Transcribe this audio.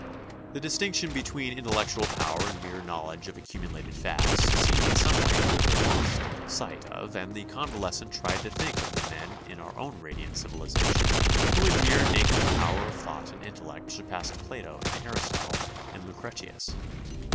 The dis DIVERSIONS OF A CONVALESCENT 283 tinction between intellectual power and mere knowl edge of accumulated facts seemed in some way to have been lost sight of and the convalescent tried to think of the men of our own radiant civilization who in mere naked power of thought and intellect surpassed Plato and Aristotle and Lucretius.